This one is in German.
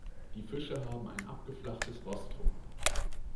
Die Fische haben ein abgeflachtes Rostrum.